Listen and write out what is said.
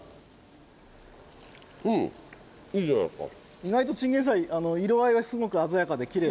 意外とチンゲンサイ色合いがすごく鮮やかできれい。